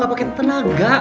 gak pake tenaga